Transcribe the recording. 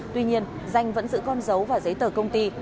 tuy nhiên danh vẫn giữ con dấu và giấy tờ công ty